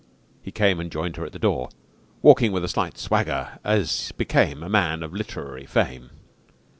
He came and joined her at the door, walking with a slight swagger as became a man of literary fame.